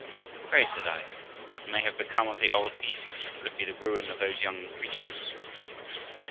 'Pray', said I, 'what may have become of the old beast that could be the ruin of those young creatures